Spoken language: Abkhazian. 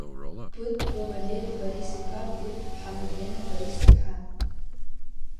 Быҭәба Валери Борис-иԥа, Быҭә-ԥҳа Мадлена Борис-иԥҳа.